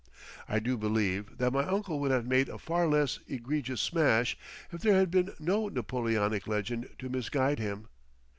I do believe that my uncle would have made a far less egregious smash if there had been no Napoleonic legend to misguide him.